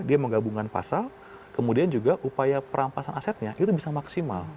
dia menggabungkan pasal kemudian juga upaya perampasan asetnya itu bisa maksimal